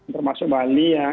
termasuk bali ya